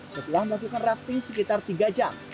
sebelum melakukan rafting sekitar tiga jam